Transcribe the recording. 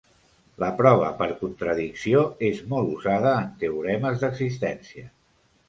La prova per contradicció és molt usada en teoremes d'existència.